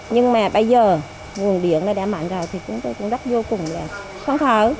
nhưng mà bây giờ nguồn điện đã mạnh rồi thì chúng tôi cũng rất vô cùng là khó khởi